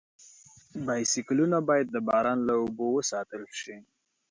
بایسکلونه باید د باران له اوبو وساتل شي.